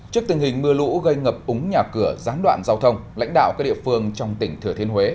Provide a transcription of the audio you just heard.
trước tình hình mưa lũ gây ngập úng nhà cửa gián đoạn giao thông lãnh đạo các địa phương trong tỉnh thừa thiên huế